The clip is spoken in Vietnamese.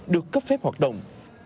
được cấp phép hoạt động